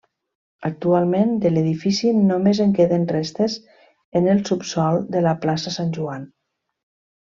Actualment de l'edifici només en queden restes en el subsòl de la plaça Sant Joan.